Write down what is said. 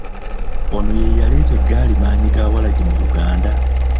Ono ye yaleeta eggaali mmaanyigaawalagi mu Uganda?